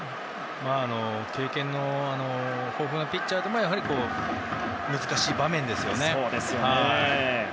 経験の豊富なピッチャーでも難しい場面ですよね。